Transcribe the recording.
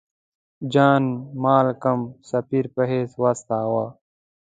جان مالکم سفیر په حیث واستاوه.